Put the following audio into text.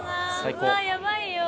うわあやばいよ！